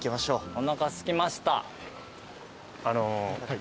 「おなかすきました」